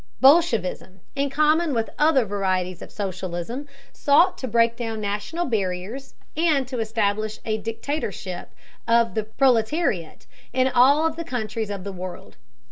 Bolshevism, in common with other varieties of socialism, sought to break down national barriers and to establish a dictatorship of the proletariat in all of the countries of the world.